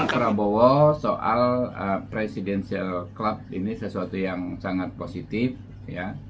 pak prabowo soal presidensial club ini sesuatu yang sangat positif ya